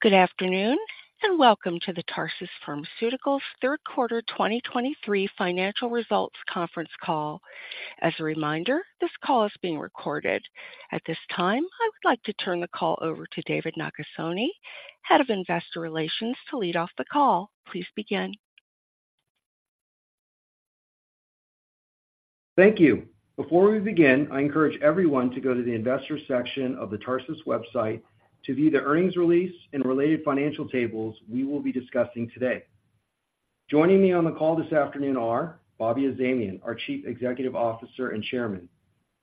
Good afternoon, and welcome to the Tarsus Pharmaceuticals Q3 2023 Financial Results Conference Call. As a reminder, this call is being recorded. At this time, I would like to turn the call over to David Nakasone, Head of Investor Relations, to lead off the call. Please begin. Thank you. Before we begin, I encourage everyone to go to the investors section of the Tarsus website to view the earnings release and related financial tables we will be discussing today. Joining me on the call this afternoon are Bobby Azamian, our Chief Executive Officer and Chairman,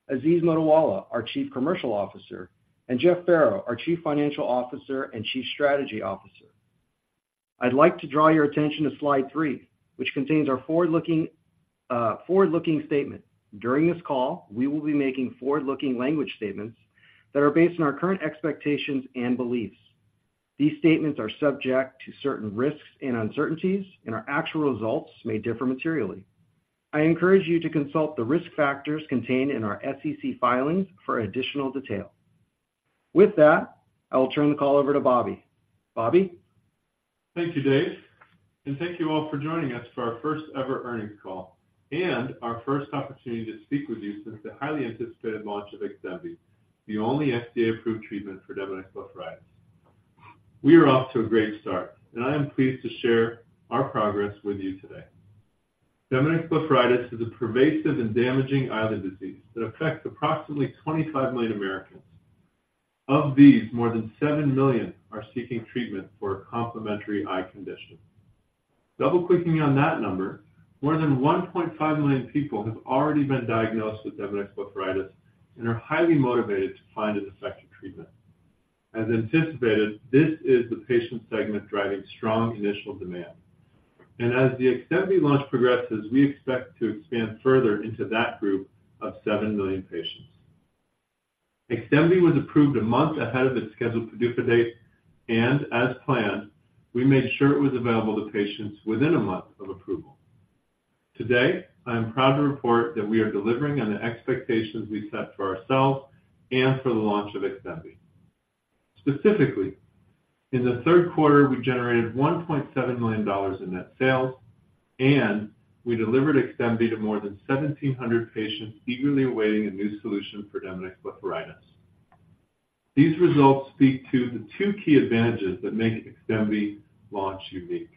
Aziz Mottiwala, our Chief Commercial Officer, and Jeff Farrow, our Chief Financial Officer and Chief Strategy Officer. I'd like to draw your attention to slide three, which contains our forward-looking, forward-looking statement. During this call, we will be making forward-looking language statements that are based on our current expectations and beliefs. These statements are subject to certain risks and uncertainties, and our actual results may differ materially. I encourage you to consult the risk factors contained in our SEC filings for additional detail. With that, I will turn the call over to Bobby. Bobby? Thank you, Dave, and thank you all for joining us for our first-ever earnings call and our first opportunity to speak with you since the highly anticipated launch of XDEMVY, the only FDA-approved treatment for Demodex blepharitis. We are off to a great start, and I am pleased to share our progress with you today. Demodex blepharitis is a pervasive and damaging eyelid disease that affects approximately 25 million Americans. Of these, more than 7 million are seeking treatment for a complementary eye condition. Double-clicking on that number, more than 1.5 million people have already been diagnosed with Demodex blepharitis and are highly motivated to find an effective treatment. As anticipated, this is the patient segment driving strong initial demand, and as the XDEMVY launch progresses, we expect to expand further into that group of 7 million patients. XDEMVY was approved a month ahead of its scheduled PDUFA date, and as planned, we made sure it was available to patients within a month of approval. Today, I am proud to report that we are delivering on the expectations we set for ourselves and for the launch of XDEMVY. Specifically, in the Q3, we generated $1.7 million in net sales, and we delivered XDEMVY to more than 1,700 patients eagerly awaiting a new solution for Demodex blepharitis. These results speak to the two key advantages that make XDEMVY launch unique.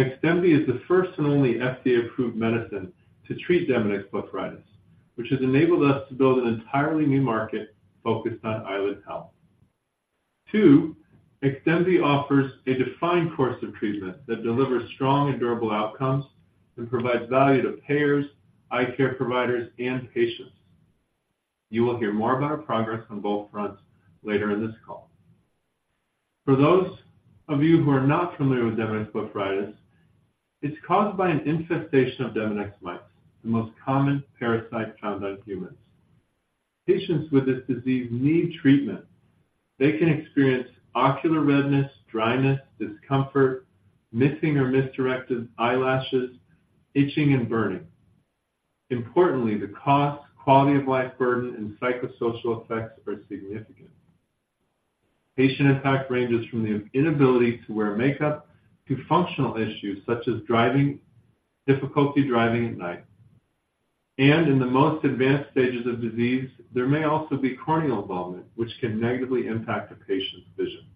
One, XDEMVY is the first and only FDA-approved medicine to treat Demodex blepharitis, which has enabled us to build an entirely new market focused on eyelid health. Two, XDEMVY offers a defined course of treatment that delivers strong and durable outcomes and provides value to payers, eye care providers, and patients. You will hear more about our progress on both fronts later in this call. For those of you who are not familiar with Demodex blepharitis, it's caused by an infestation of Demodex mites, the most common parasite found on humans. Patients with this disease need treatment. They can experience ocular redness, dryness, discomfort, missing or misdirected eyelashes, itching, and burning. Importantly, the cost, quality of life burden, and psychosocial effects are significant. Patient impact ranges from the inability to wear makeup to functional issues such as driving, difficulty driving at night. And in the most advanced stages of disease, there may also be corneal involvement, which can negatively impact a patient's vision.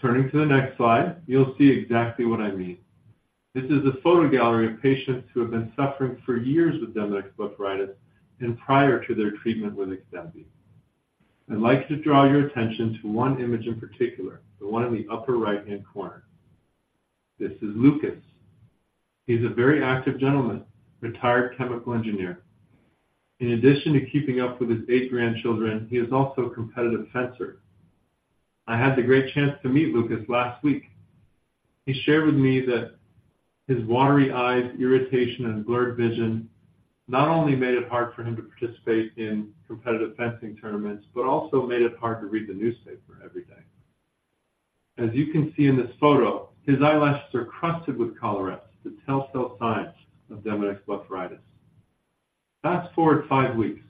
Turning to the next slide, you'll see exactly what I mean. This is a photo gallery of patients who have been suffering for years with Demodex blepharitis and prior to their treatment with XDEMVY. I'd like to draw your attention to one image in particular, the one in the upper right-hand corner. This is Lucas. He's a very active gentleman, retired chemical engineer. In addition to keeping up with his eight grandchildren, he is also a competitive fencer. I had the great chance to meet Lucas last week. He shared with me that his watery eyes, irritation, and blurred vision not only made it hard for him to participate in competitive fencing tournaments but also made it hard to read the newspaper every day. As you can see in this photo, his eyelashes are crusted with collarettes, the telltale signs of Demodex blepharitis. Fast forward five weeks,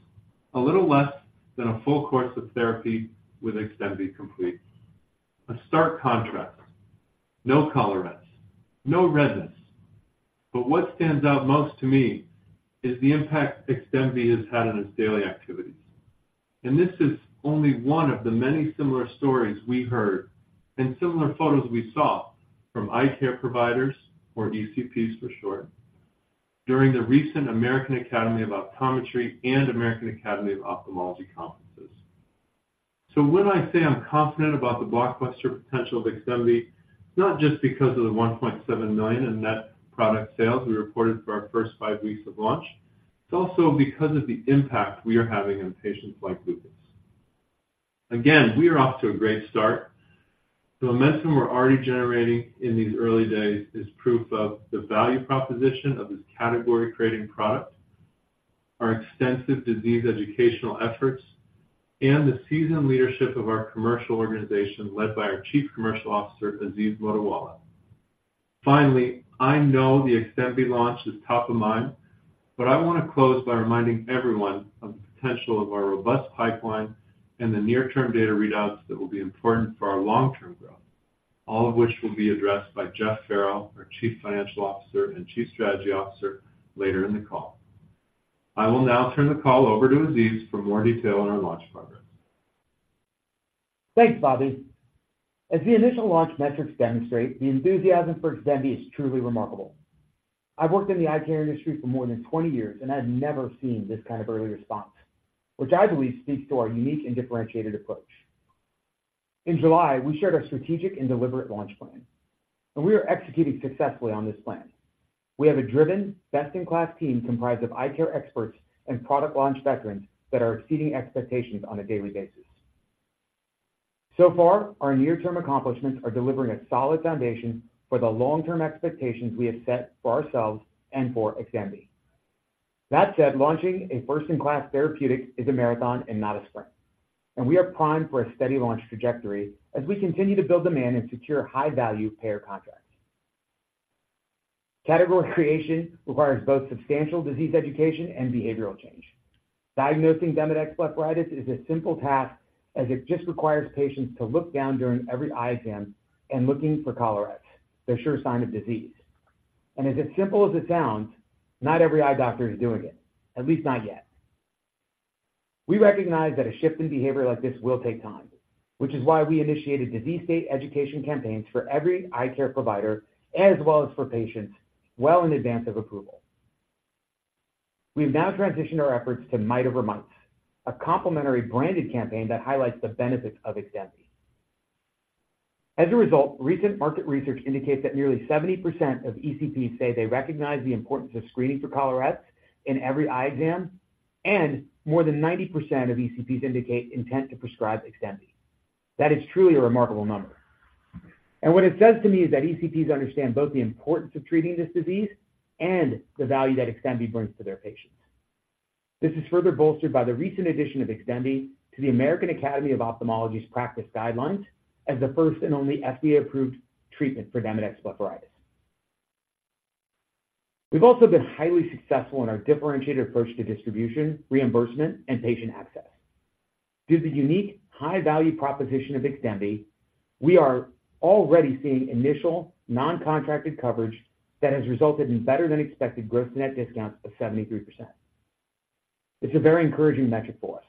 a little less than a full course of therapy with XDEMVY complete. A stark contrast, no collarettes, no redness. But what stands out most to me is the impact XDEMVY has had on his daily activities. This is only one of the many similar stories we heard and similar photos we saw from eye care providers, or ECPs for short, during the recent American Academy of Optometry and American Academy of Ophthalmology conferences. So when I say I'm confident about the blockbuster potential of XDEMVY, not just because of the $1.7 million in net product sales we reported for our first five weeks of launch, it's also because of the impact we are having on patients like Lucas. Again, we are off to a great start. The momentum we're already generating in these early days is proof of the value proposition of this category-creating product, our extensive disease educational efforts, and the seasoned leadership of our commercial organization, led by our Chief Commercial Officer, Aziz Mottiwala. Finally, I know the XDEMVY launch is top of mind, but I want to close by reminding everyone of the potential of our robust pipeline and the near-term data readouts that will be important for our long-term growth, all of which will be addressed by Jeff Farrow, our Chief Financial Officer and Chief Strategy Officer, later in the call. I will now turn the call over to Aziz for more detail on our launch progress. Thanks, Bobby. As the initial launch metrics demonstrate, the enthusiasm for XDEMVY is truly remarkable. I've worked in the eye care industry for more than 20 years, and I've never seen this kind of early response, which I believe speaks to our unique and differentiated approach. In July, we shared our strategic and deliberate launch plan, and we are executing successfully on this plan. We have a driven, best-in-class team comprised of eye care experts and product launch veterans that are exceeding expectations on a daily basis. So far, our near-term accomplishments are delivering a solid foundation for the long-term expectations we have set for ourselves and for XDEMVY. That said, launching a first-in-class therapeutic is a marathon and not a sprint, and we are primed for a steady launch trajectory as we continue to build demand and secure high-value payer contracts. Category creation requires both substantial disease education and behavioral change. Diagnosing Demodex blepharitis is a simple task, as it just requires patients to look down during every eye exam and looking for collarettes, the sure sign of disease. As simple as it sounds, not every eye doctor is doing it, at least not yet. We recognize that a shift in behavior like this will take time, which is why we initiated disease state education campaigns for every eye care provider, as well as for patients well in advance of approval. We've now transitioned our efforts to Mite Over Mites, a complementary branded campaign that highlights the benefits of XDEMVY. As a result, recent market research indicates that nearly 70% of ECPs say they recognize the importance of screening for collarettes in every eye exam, and more than 90% of ECPs indicate intent to prescribe XDEMVY. That is truly a remarkable number. And what it says to me is that ECPs understand both the importance of treating this disease and the value that XDEMVY brings to their patients. This is further bolstered by the recent addition of XDEMVY to the American Academy of Ophthalmology's practice guidelines as the first and only FDA-approved treatment for Demodex blepharitis. We've also been highly successful in our differentiated approach to distribution, reimbursement, and patient access. Due to the unique high-value proposition of XDEMVY, we are already seeing initial non-contracted coverage that has resulted in better-than-expected gross-to-net discounts of 73%. It's a very encouraging metric for us,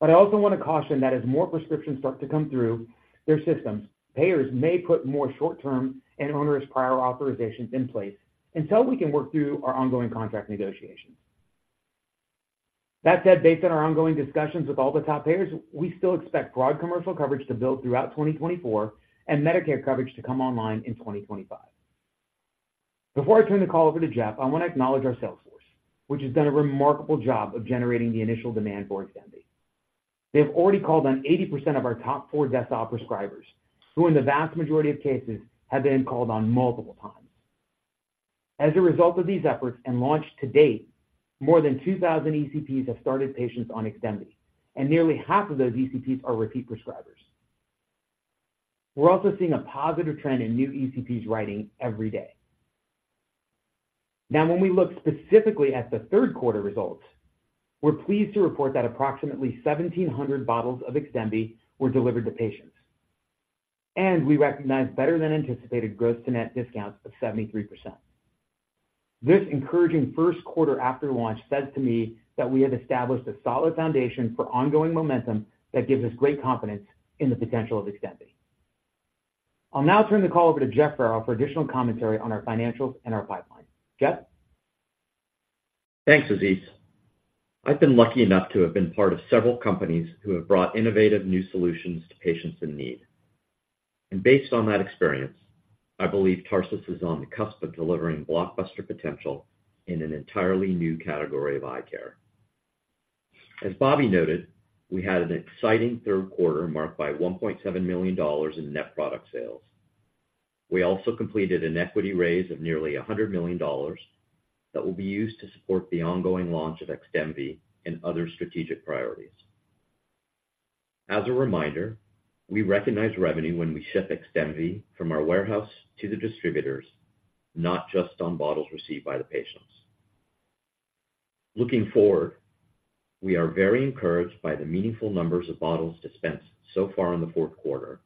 but I also want to caution that as more prescriptions start to come through their systems, payers may put more short-term and onerous prior authorizations in place until we can work through our ongoing contract negotiations. That said, based on our ongoing discussions with all the top payers, we still expect broad commercial coverage to build throughout 2024, and Medicare coverage to come online in 2025. Before I turn the call over to Jeff, I want to acknowledge our sales force, which has done a remarkable job of generating the initial demand for XDEMVY. They have already called on 80% of our top 400 decile prescribers, who, in the vast majority of cases, have been called on multiple times. As a result of these efforts and launch to date, more than 2,000 ECPs have started patients on XDEMVY, and nearly half of those ECPs are repeat prescribers. We're also seeing a positive trend in new ECPs writing every day. Now, when we look specifically at the Q3 results, we're pleased to report that approximately 1,700 bottles of XDEMVY were delivered to patients, and we recognized better-than-anticipated gross-to-net discounts of 73%. This encouraging first quarter after launch says to me that we have established a solid foundation for ongoing momentum that gives us great confidence in the potential of XDEMVY. I'll now turn the call over to Jeff Farrow for additional commentary on our financials and our pipeline. Jeff? Thanks, Aziz. I've been lucky enough to have been part of several companies who have brought innovative new solutions to patients in need. Based on that experience, I believe Tarsus is on the cusp of delivering blockbuster potential in an entirely new category of eye care. As Bobby noted, we had an exciting Q3, marked by $1.7 million in net product sales. We also completed an equity raise of nearly $100 million that will be used to support the ongoing launch of XDEMVY and other strategic priorities. As a reminder, we recognize revenue when we ship XDEMVY from our warehouse to the distributors, not just on bottles received by the patients. Looking forward, we are very encouraged by the meaningful numbers of bottles dispensed so far in the fourth quarter.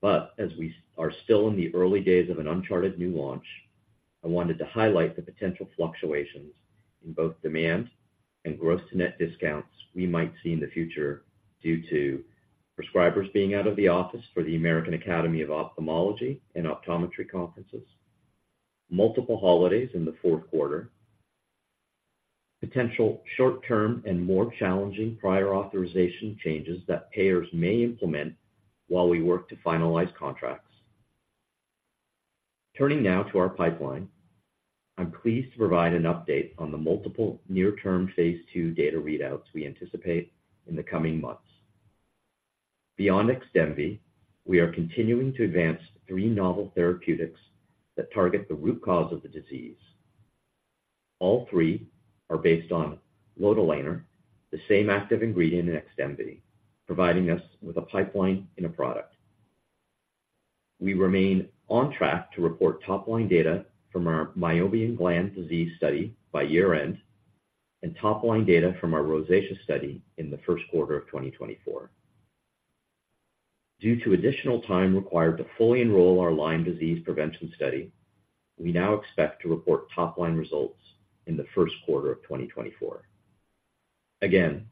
But as we are still in the early days of an uncharted new launch, I wanted to highlight the potential fluctuations in both demand and gross-to-net discounts we might see in the future due to prescribers being out of the office for the American Academy of Ophthalmology and Optometry conferences, multiple holidays in the fourth quarter, potential short-term and more challenging prior authorization changes that payers may implement while we work to finalize contracts. Turning now to our pipeline, I'm pleased to provide an update on the multiple near-term phase 2 data readouts we anticipate in the coming months. Beyond XDEMVY, we are continuing to advance three novel therapeutics that target the root cause of the disease. All three are based on lotilaner, the same active ingredient in XDEMVY, providing us with a pipeline and a product. We remain on track to report top-line data from our Meibomian gland disease study by year-end, and top-line data from our rosacea study in the first quarter of 2024. Due to additional time required to fully enroll our Lyme disease prevention study, we now expect to report top-line results in the first quarter of 2024. Again,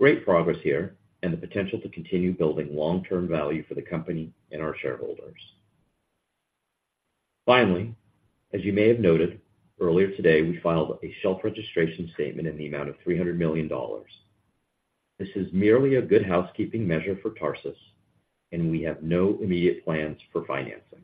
great progress here and the potential to continue building long-term value for the company and our shareholders. Finally, as you may have noted, earlier today, we filed a shelf registration statement in the amount of $300 million. This is merely a good housekeeping measure for Tarsus, and we have no immediate plans for financing.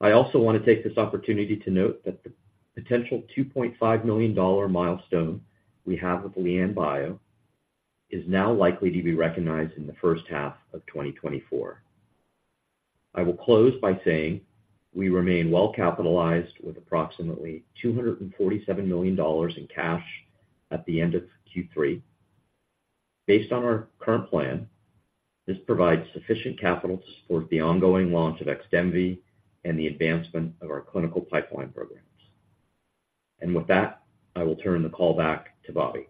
I also want to take this opportunity to note that the potential $2.5 million milestone we have with LianBio is now likely to be recognized in the first half of 2024. I will close by saying we remain well capitalized with approximately $247 million in cash at the end of Q3. Based on our current plan, this provides sufficient capital to support the ongoing launch of XDEMVY and the advancement of our clinical pipeline programs. With that, I will turn the call back to Bobby.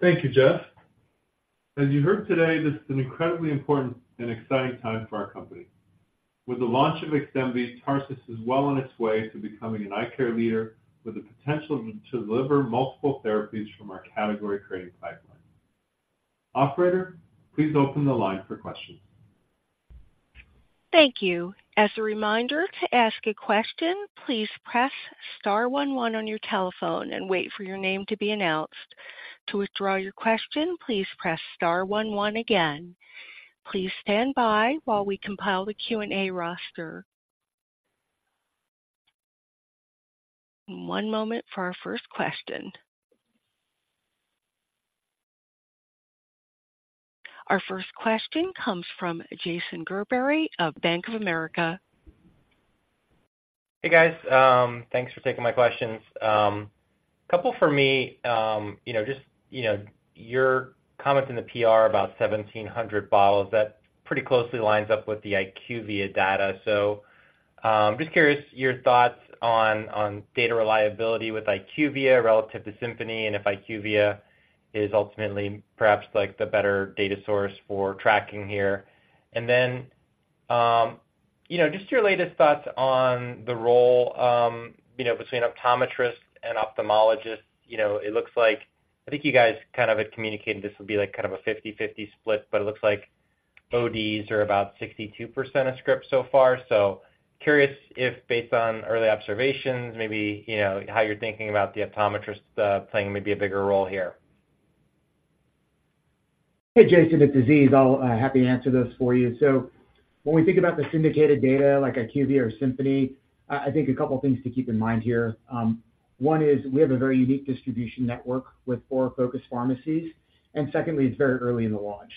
Thank you, Jeff. As you heard today, this is an incredibly important and exciting time for our company. With the launch of XDEMVY, Tarsus is well on its way to becoming an eye care leader with the potential to deliver multiple therapies from our category-creating pipeline. Operator, please open the line for questions. Thank you. As a reminder, to ask a question, please press star one one on your telephone and wait for your name to be announced. To withdraw your question, please press star one one again. Please stand by while we compile the Q&A roster. One moment for our first question. Our first question comes from Jason Gerberry of Bank of America. Hey, guys. Thanks for taking my questions. A couple for me. Your comments in the PR about 1,700 bottles, that pretty closely lines up with the IQVIA data. Just curious your thoughts on, on data reliability with IQVIA relative to Symphony, and if IQVIA is ultimately perhaps, like, the better data source for tracking here. And then, just your latest thoughts on the role, between optometrists and ophthalmologists. It looks like I think you guys kind of had communicated this would be like kind of a 50/50 split, but it looks like ODs are about 62% of scripts so far. Curious if based on early observations, maybe, you know, how you're thinking about the optometrists, playing maybe a bigger role here. Hey, Jason, it's Aziz. I'm happy to answer those for you. So when we think about the syndicated data like IQVIA or Symphony, I think a couple of things to keep in mind here. One is we have a very unique distribution network with four focused pharmacies, and secondly, it's very early in the launch.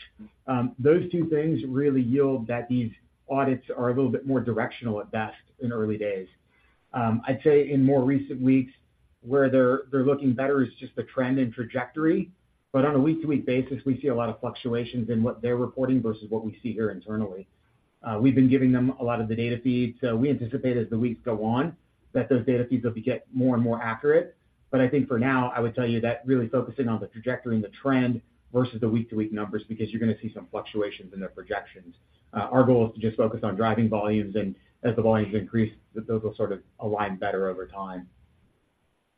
Those two things really yield that these audits are a little bit more directional at best in early days. I'd say in more recent weeks, where they're looking better is just the trend and trajectory, but on a week-to-week basis, we see a lot of fluctuations in what they're reporting versus what we see here internally. We've been giving them a lot of the data feeds, so we anticipate as the weeks go on, that those data feeds will get more and more accurate. But I think for now, I would tell you that really focusing on the trajectory and the trend versus the week-to-week numbers, because you're going to see some fluctuations in their projections. Our goal is to just focus on driving volumes, and as the volumes increase, those will sort of align better over time.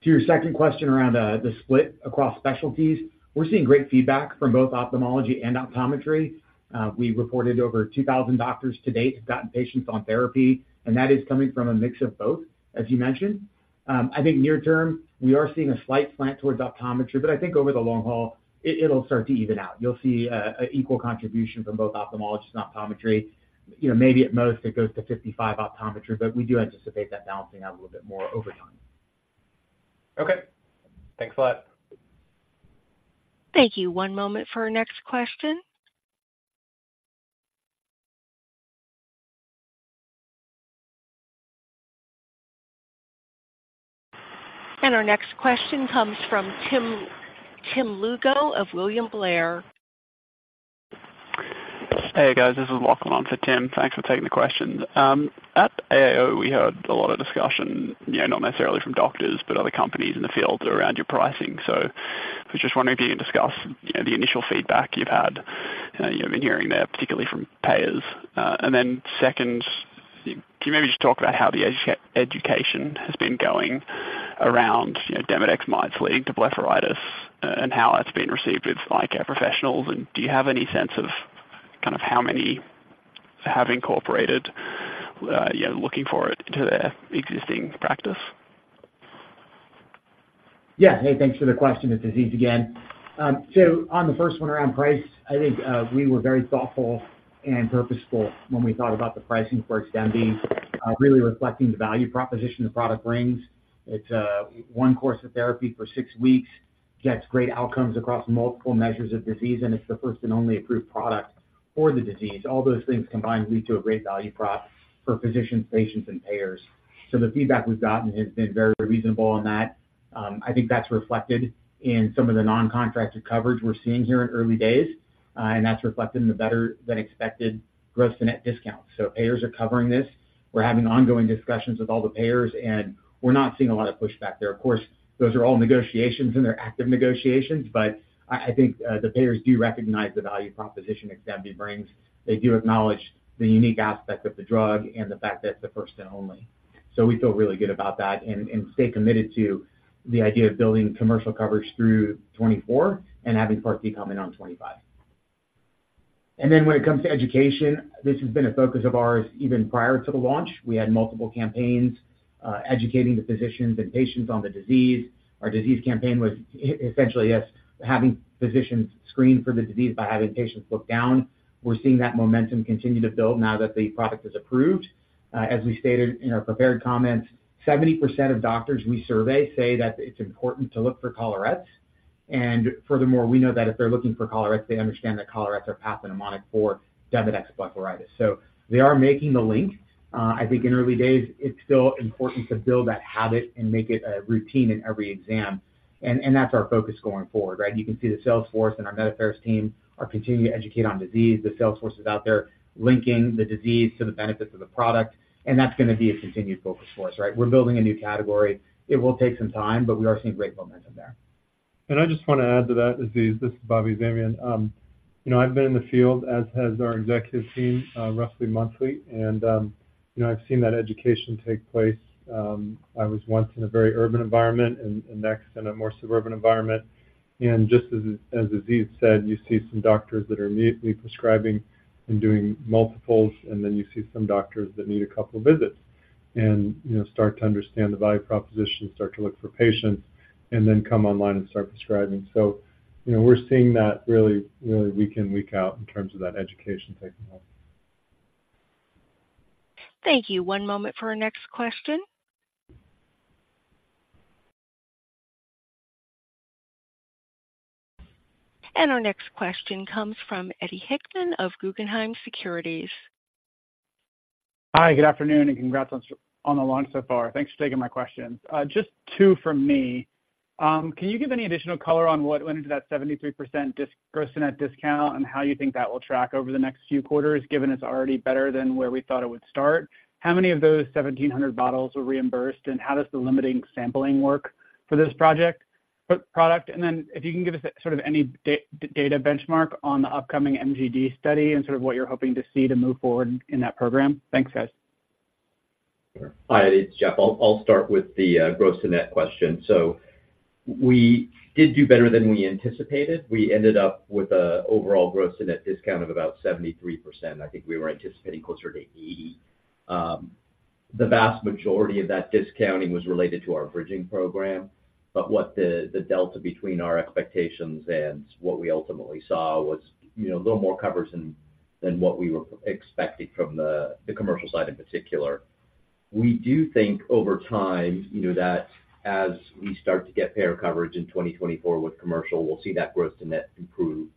To your second question around the split across specialties, we're seeing great feedback from both ophthalmology and optometry. We reported over 2,000 doctors to date have gotten patients on therapy, and that is coming from a mix of both, as you mentioned. I think near term, we are seeing a slight slant towards optometry, but I think over the long haul, it, it'll start to even out. You'll see an equal contribution from both ophthalmologists and optometry. You know, maybe at most, it goes to 55 optometry, but we do anticipate that balancing out a little bit more over time. Okay. Thanks a lot. Thank you. One moment for our next question. Our next question comes from Tim, Tim Lugo of William Blair. Hey, guys, this is Lachlan on for Tim. Thanks for taking the question. At AAO, we heard a lot of discussion, you know, not necessarily from doctors, but other companies in the field around your pricing. So I was just wondering if you can discuss, you know, the initial feedback you've had, you know, been hearing there, particularly from payers. And then second, can you maybe just talk about how the ECP education has been going around, you know, Demodex mites leading to blepharitis and how that's been received with eye care professionals? And do you have any sense of kind of how many have incorporated, you know, looking for it into their existing practice? Yeah. Hey, thanks for the question. It's Aziz again. On the first one around price, I think, we were very thoughtful and purposeful when we thought about the pricing for XDEMVY, really reflecting the value proposition the product brings. It's one course of therapy for six weeks. Gets great outcomes across multiple measures of disease, and it's the first and only approved product for the disease. All those things combined lead to a great value prop for physicians, patients, and payers. The feedback we've gotten has been very reasonable on that. I think that's reflected in some of the non-contracted coverage we're seeing here in early days, and that's reflected in the better-than-expected gross-to-net discount. Payers are covering this. We're having ongoing discussions with all the payers, and we're not seeing a lot of pushback there. Of course, those are all negotiations, and they're active negotiations, but I, I think, the payers do recognize the value proposition XDEMVY brings. They do acknowledge the unique aspect of the drug and the fact that it's the first and only. We feel really good about that and, and stay committed to the idea of building commercial coverage through 2024 and having Part D come in on 2025. And then when it comes to education, this has been a focus of ours even prior to the launch. We had multiple campaigns, educating the physicians and patients on the disease. Our disease campaign was essentially, yes, having physicians screen for the disease by having patients look down. We're seeing that momentum continue to build now that the product is approved. As we stated in our prepared comments, 70% of doctors we survey say that it's important to look for collarettes, and furthermore, we know that if they're looking for collarettes, they understand that collarettes are pathognomonic for Demodex blepharitis. They are making the link. I think in early days, it's still important to build that habit and make it a routine in every exam, and that's our focus going forward, right? You can see the sales force and our medical affairs team are continuing to educate on disease. The sales force is out there linking the disease to the benefits of the product, and that's gonna be a continued focus for us, right? We're building a new category. It will take some time, but we are seeing great momentum there. I just want to add to that, Aziz. This is Bobby Azamian. I've been in the field, as has our executive team, roughly monthly, and, I've seen that education take place. I was once in a very urban environment and next in a more suburban environment. And just as Aziz said, you see some doctors that are immediately prescribing and doing multiples, and then you see some doctors that need a couple visits and, you know, start to understand the value proposition, start to look for patients, and then come online and start prescribing. We're seeing that really, really week in, week out in terms of that education taking place. Thank you. One moment for our next question. Our next question comes from Eddie Hickman of Guggenheim Securities. Hi, good afternoon, and congrats on the launch so far. Thanks for taking my questions. Just two from me. Can you give any additional color on what went into that 73% gross-to-net discount and how you think that will track over the next few quarters, given it's already better than where we thought it would start? How many of those 1,700 bottles were reimbursed, and how does the limiting sampling work for this product? And then if you can give us sort of any data benchmark on the upcoming MGD study and sort of what you're hoping to see to move forward in that program. Thanks, guys. Hi, it's Jeff. I'll start with the gross to net question. So we did do better than we anticipated. We ended up with an overall gross to net discount of about 73%. I think we were anticipating closer to 80%. The vast majority of that discounting was related to our bridging program, but the delta between our expectations and what we ultimately saw was, you know, a little more coverage than what we were expecting from the commercial side in particular. We do think over time, you know, that as we start to get payer coverage in 2024 with commercial, we'll see that gross to net improve.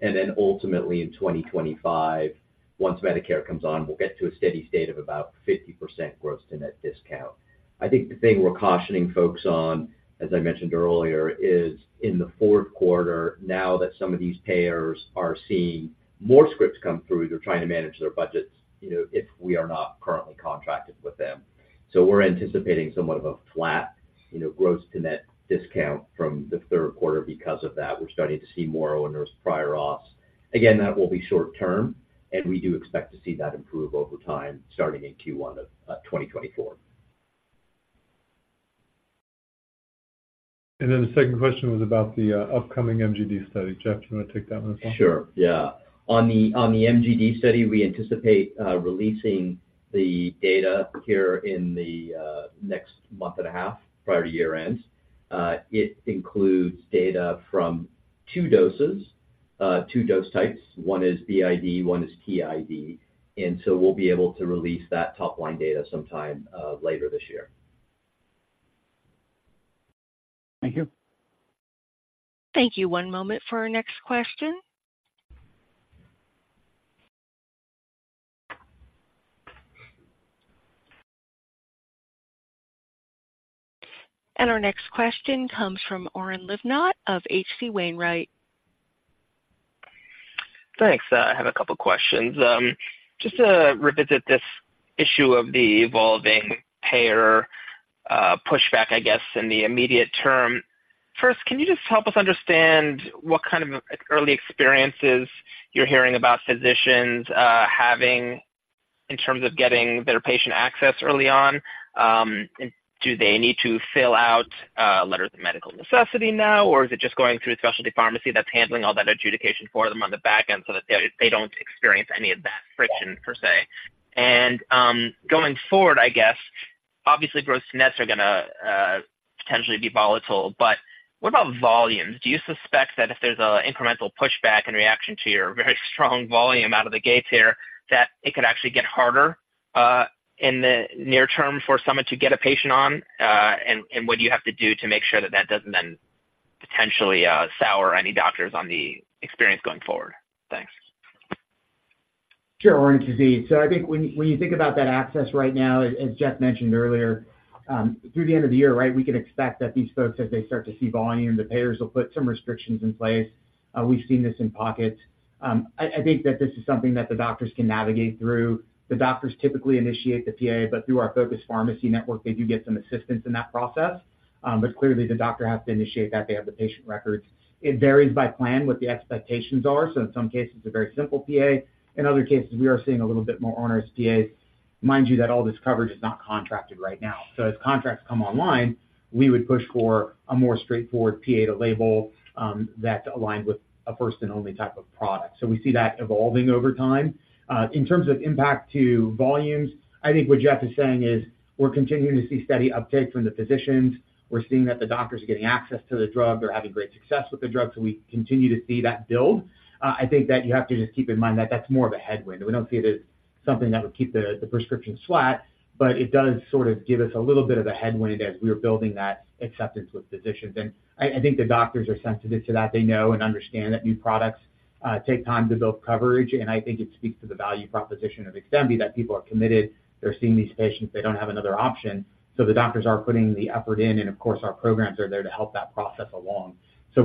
And then ultimately in 2025, once Medicare comes on, we'll get to a steady state of about 50% gross to net discount. I think the thing we're cautioning folks on, as I mentioned earlier, is in the fourth quarter, now that some of these payers are seeing more scripts come through, they're trying to manage their budgets, you know, if we are not currently contracted with them. We're anticipating somewhat of a flat, you know, gross-to-net discount from the Q3 because of that. We're starting to see more onerous prior auth. Again, that will be short term, and we do expect to see that improve over time, starting in Q1 of 2024. And then the second question was about the upcoming MGD study. Jeff, do you want to take that one as well? Sure. Yeah. On the MGD study, we anticipate releasing the data here in the next month and a half, prior to year-end. It includes data from two doses, two dose types. One is BID, one is TID, and so we'll be able to release that top-line data sometime later this year. Thank you. Thank you. One moment for our next question. Our next question comes from Oren Livnat of H.C. Wainwright. Thanks. I have a couple questions. Just to revisit this issue of the evolving payer pushback, I guess, in the immediate term. First, can you just help us understand what kind of early experiences you're hearing about physicians having in terms of getting their patient access early on? Do they need to fill out letters of medical necessity now, or is it just going through a specialty pharmacy that's handling all that adjudication for them on the back end so that they don't experience any of that friction per se? And going forward, I guess, obviously, gross-to-net are gonna potentially be volatile, but what about volumes? Do you suspect that if there's an incremental pushback in reaction to your very strong volume out of the gates here, that it could actually get harder? In the near term for someone to get a patient on, and, and what do you have to do to make sure that that doesn't then potentially sour any doctors on the experience going forward? Thanks. Sure, Oren Livnat. I think when you think about that access right now, as Jeff mentioned earlier, through the end of the year, right, we can expect that these folks, as they start to see volume, the payers will put some restrictions in place. We've seen this in pockets. I think that this is something that the doctors can navigate through. The doctors typically initiate the PA, but through our focused pharmacy network, they do get some assistance in that process. But clearly the doctor has to initiate that. They have the patient records. It varies by plan, what the expectations are. In some cases, a very simple PA. In other cases, we are seeing a little bit more onerous PAs. Mind you, that all this coverage is not contracted right now. So as contracts come online, we would push for a more straightforward PA to label that aligned with a first and only type of product. We see that evolving over time. In terms of impact to volumes, I think what Jeff is saying is we're continuing to see steady uptake from the physicians. We're seeing that the doctors are getting access to the drug. They're having great success with the drug, so we continue to see that build. I think that you have to just keep in mind that that's more of a headwind. We don't see it as something that would keep the prescription flat, but it does sort of give us a little bit of a headwind as we are building that acceptance with physicians. And I think the doctors are sensitive to that. They know and understand that new products take time to build coverage, and I think it speaks to the value proposition of XDEMVY that people are committed. They're seeing these patients. They don't have another option, so the doctors are putting the effort in, and of course, our programs are there to help that process along.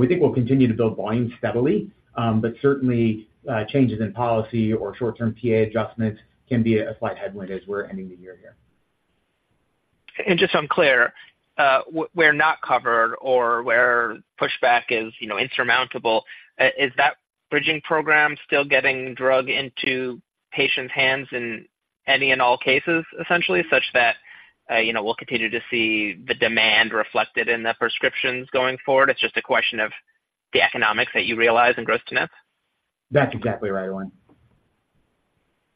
We think we'll continue to build volume steadily, but certainly, changes in policy or short-term PA adjustments can be a slight headwind as we're ending the year here. Just so I'm clear, where not covered or where pushback is, you know, insurmountable, is that bridging program still getting drug into patients' hands in any and all cases, essentially, such that, you know, we'll continue to see the demand reflected in the prescriptions going forward? It's just a question of the economics that you realize in gross-to-net. That's exactly right, Oren.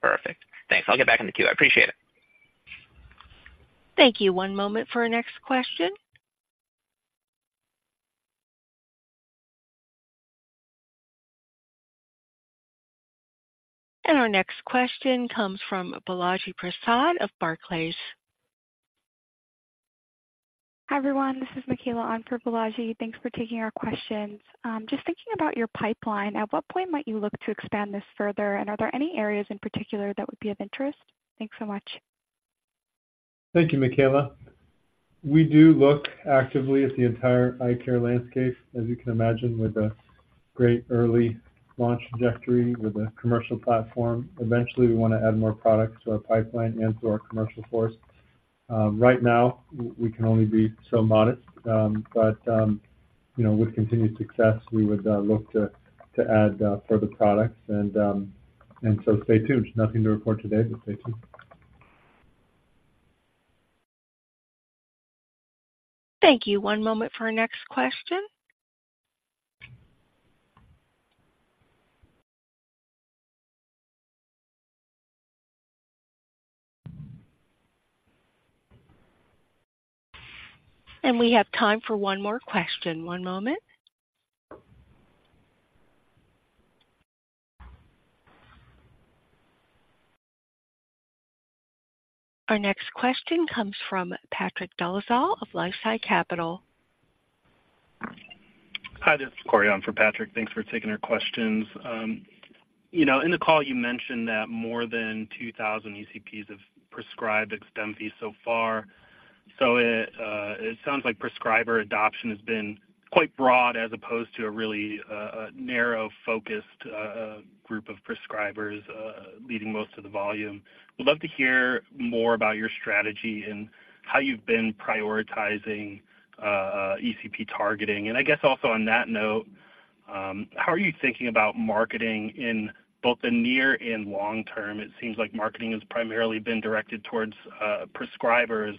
Perfect. Thanks. I'll get back in the queue. I appreciate it. Thank you. One moment for our next question. Our next question comes from Balaji Prasad of Barclays. Hi, everyone. This is Michaela on for Balaji. Thanks for taking our questions. Just thinking about your pipeline, at what point might you look to expand this further, and are there any areas in particular that would be of interest? Thanks so much. Thank you, Michaela. We do look actively at the entire eye care landscape. As you can imagine, with a great early launch trajectory, with a commercial platform, eventually we want to add more products to our pipeline and to our commercial force. Right now, we can only be so modest, but, you know, we would look to add further products. And so stay tuned. Nothing to report today, but stay tuned. Thank you. One moment for our next question. We have time for one more question. One moment. Our next question comes from Patrick Dolezal of Life Sci Capital. Hi, this is Corey on for Patrick. Thanks for taking our questions. You know, in the call you mentioned that more than 2,000 ECPs have prescribed XDEMVY so far. So it sounds like prescriber adoption has been quite broad as opposed to a really narrow, focused group of prescribers leading most of the volume. Would love to hear more about your strategy and how you've been prioritizing ECP targeting. And I guess also on that note, how are you thinking about marketing in both the near and long term? It seems like marketing has primarily been directed towards prescribers.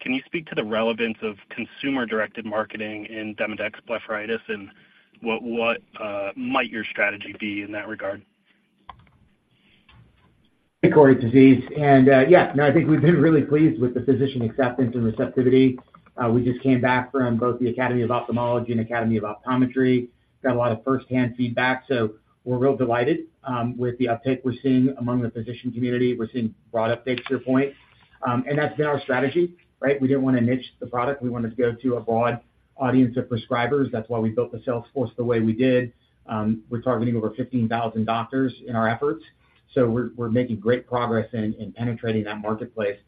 Can you speak to the relevance of consumer-directed marketing in Demodex blepharitis, and what might your strategy be in that regard? Corey, it's Aziz, and, yeah, no, I think we've been really pleased with the physician acceptance and receptivity. We just came back from both the Academy of Ophthalmology and Academy of Optometry, got a lot of firsthand feedback, so we're real delighted with the uptake we're seeing among the physician community. We're seeing broad updates to your point. And that's been our strategy, right? We didn't want to niche the product. We wanted to go to a broad audience of prescribers. That's why we built the sales force the way we did. We're targeting over 15,000 doctors in our efforts, so we're making great progress in penetrating that marketplace.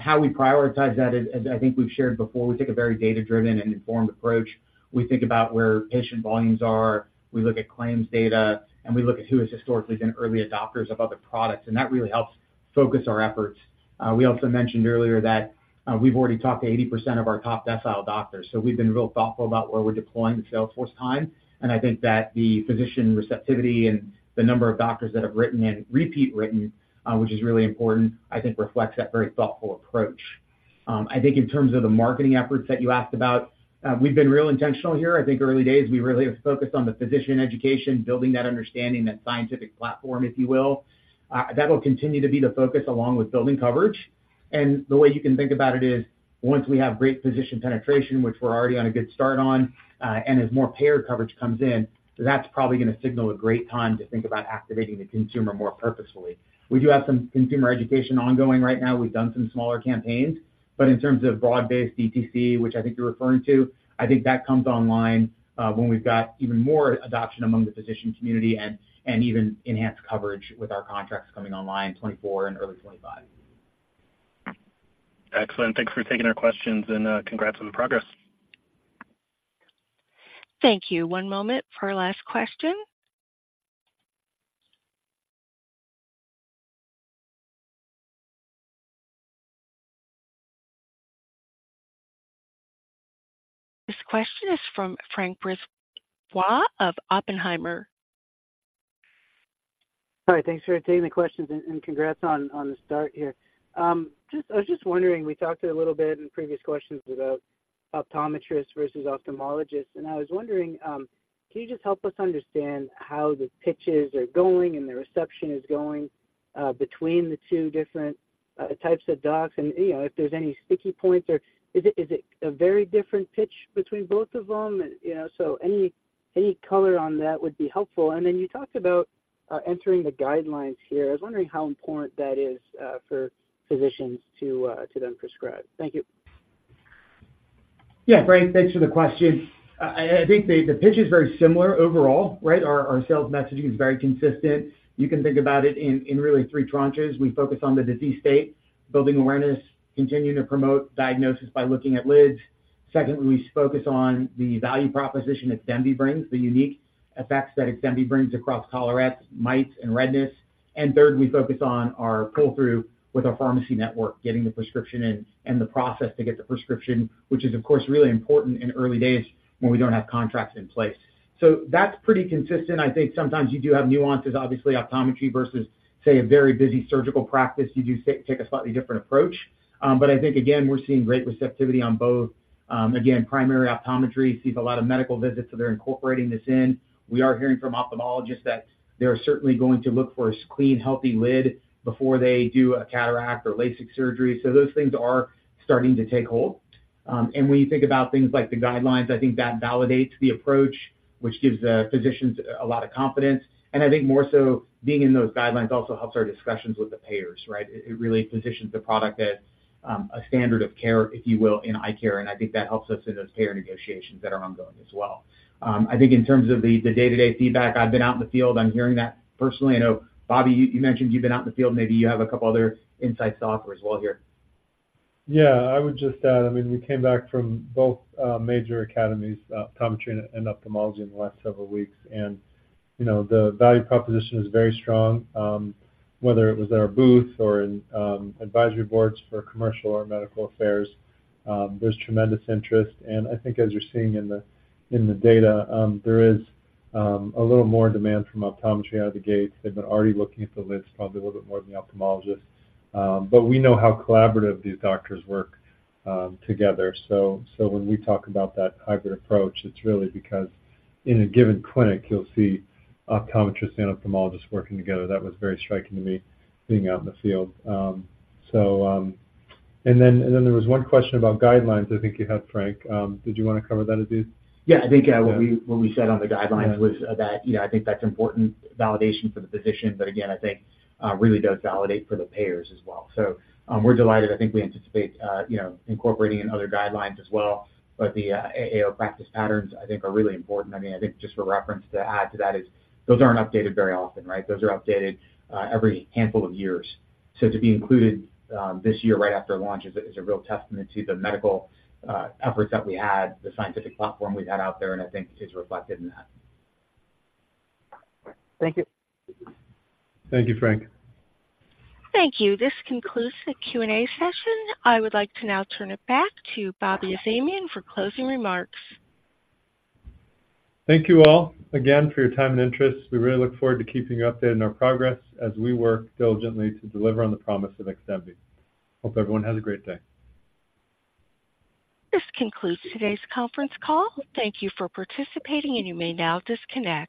How we prioritize that is, as I think we've shared before, we take a very data-driven and informed approach. We think about where patient volumes are, we look at claims data, and we look at who has historically been early adopters of other products, and that really helps focus our efforts. We also mentioned earlier that we've already talked to 80% of our top decile doctors, so we've been real thoughtful about where we're deploying the sales force time. I think that the physician receptivity and the number of doctors that have written and repeat written, which is really important, I think reflects that very thoughtful approach. I think in terms of the marketing efforts that you asked about, we've been real intentional here. I think early days, we really have focused on the physician education, building that understanding, that scientific platform, if you will. That will continue to be the focus along with building coverage. The way you can think about it is, once we have great physician penetration, which we're already on a good start on, and as more payer coverage comes in, that's probably gonna signal a great time to think about activating the consumer more purposefully. We do have some consumer education ongoing right now. We've done some smaller campaigns, but in terms of broad-based DTC, which I think you're referring to, I think that comes online when we've got even more adoption among the physician community and even enhanced coverage with our contracts coming online in 2024 and early 2025. Excellent. Thanks for taking our questions, and, congrats on the progress. Thank you. One moment for our last question. This question is from Frank Brisebois of Oppenheimer. Hi, thanks for taking the questions and congrats on the start here. I was just wondering, we talked a little bit in previous questions about optometrists versus ophthalmologists, and I was wondering, can you just help us understand how the pitches are going and the reception is going, between the two different, types of docs? And, you know, if there's any sticky points, or is it, is it a very different pitch between both of them? Any color on that would be helpful. And then you talked about entering the guidelines here. I was wondering how important that is, for physicians to then prescribe. Thank you. Yeah, Frank, thanks for the question. I think the pitch is very similar overall, right? Our sales messaging is very consistent. You can think about it in really three tranches. We focus on the disease state, building awareness, continuing to promote diagnosis by looking at lids. Secondly, we focus on the value proposition XDEMVY brings, the unique effects that XDEMVY brings across collarettes, mites, and redness. And third, we focus on our pull-through with our pharmacy network, getting the prescription in and the process to get the prescription, which is, of course, really important in early days when we don't have contracts in place. So that's pretty consistent. I think sometimes you do have nuances. Obviously, optometry versus, say, a very busy surgical practice, you do take a slightly different approach. But I think, again, we're seeing great receptivity on both. Again, primary optometry sees a lot of medical visits, so they're incorporating this in. We are hearing from ophthalmologists that they are certainly going to look for a clean, healthy lid before they do a cataract or LASIK surgery. So those things are starting to take hold. And when you think about things like the guidelines, I think that validates the approach, which gives the physicians a lot of confidence. And I think more so, being in those guidelines also helps our discussions with the payers, right? It really positions the product as a standard of care, if you will, in eye care, and I think that helps us in those payer negotiations that are ongoing as well. I think in terms of the day-to-day feedback, I've been out in the field, I'm hearing that personally. I know, Bobby, you mentioned you've been out in the field. Maybe you have a couple other insights to offer as well here. Yeah. I would just add, I mean, we came back from both major academies, optometry and ophthalmology, in the last several weeks, and, the value proposition is very strong. Whether it was at our booth or in advisory boards for commercial or medical affairs, there's tremendous interest. And I think as you're seeing in the data, there is a little more demand from optometry out of the gate. They've been already looking at the list, probably a little bit more than the ophthalmologist. But we know how collaborative these doctors work together. So when we talk about that hybrid approach, it's really because in a given clinic, you'll see optometrists and ophthalmologists working together. That was very striking to me, being out in the field. And then there was one question about guidelines. I think you had, Frank. Did you wanna cover that, Aziz? Yeah. I think, what we said on the guidelines- Yeah. was that, you know, I think that's important validation for the physician, but again, I think really does validate for the payers as well. We're delighted. I think we anticipate, you know, incorporating in other guidelines as well. But the AAO practice patterns, I think, are really important. I mean, I think just for reference to add to that is, those aren't updated very often, right? Those are updated every handful of years. To be included this year right after launch is a, is a real testament to the medical efforts that we had, the scientific platform we've had out there, and I think is reflected in that. Thank you. Thank you, Frank. Thank you. This concludes the Q&A session. I would like to now turn it back to Bobby Azamian for closing remarks. Thank you all again for your time and interest. We really look forward to keeping you updated on our progress as we work diligently to deliver on the promise of XDEMVY. Hope everyone has a great day. This concludes today's conference call. Thank you for participating, and you may now disconnect.